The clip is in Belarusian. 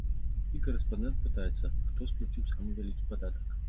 І карэспандэнт пытаецца, хто сплаціў самы вялікі падатак.